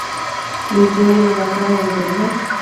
رپول یې له ناکامه وزرونه